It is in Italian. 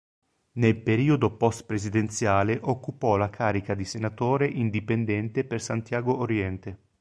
Nel periodo post presidenziale occupò la carica di senatore indipendente per Santiago Oriente.